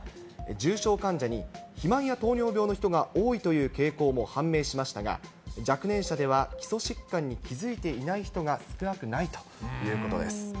重症患者に肥満や糖尿病の人が多いという傾向も判明しましたが、若年者では基礎疾患に気付いていない人が少なくないということです。